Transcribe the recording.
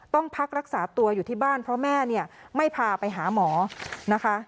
ต้องพักรักษาตัวอยู่ที่บ้านเพราะแม่เนี่ยไม่พาไปหาหมอนะคะ